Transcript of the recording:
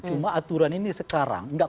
cuma aturan ini sekarang